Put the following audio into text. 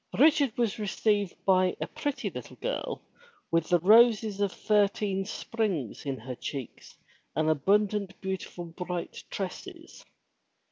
Richard was received by a pretty little girl with the roses of thirteen springs in her cheeks and abundant beautiful bright tresses.